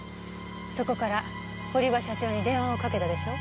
そこから堀場社長に電話をかけたでしょう？